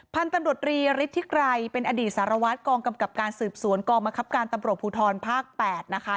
พันธุ์ตำรวจรีฤทธิไกรเป็นอดีตสารวัตรกองกำกับการสืบสวนกองมะครับการตำรวจภูทรภาค๘นะคะ